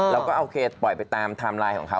เราก็โอเคปล่อยไปตามกณฑ์โครงคลิปของเขา